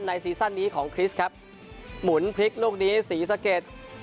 ในไซส่สั้นนี้ของคริสครับหมุนพลิกลูกดีศรีสะเกด